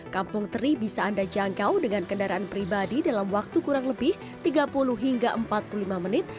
kampung teri bisa anda jangkau dengan kendaraan pribadi dalam waktu kurang lebih tiga puluh hingga empat puluh lima menit